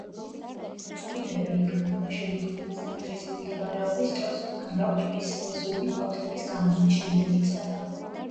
წყვილები იქმნება შემოდგომა-ზამთრის მომთაბარეობის დროს; გამრავლების სეზონი ფოთლების გამოსვლის შემდეგ იწყება.